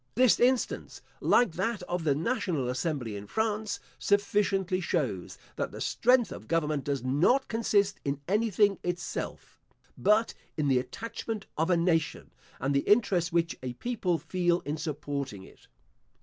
This instance, like that of the national assembly in France, sufficiently shows, that the strength of government does not consist in any thing itself, but in the attachment of a nation, and the interest which a people feel in supporting it.